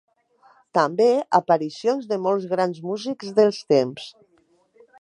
També, aparicions de molts grans músics del temps.